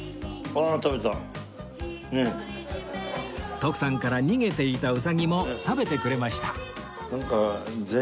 徳さんから逃げていたうさぎも食べてくれました